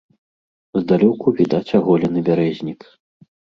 Здалёку відаць аголены бярэзнік.